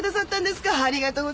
ありがとうございます。